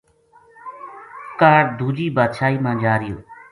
کاہڈ دوجی بادشاہی ما جا رہیو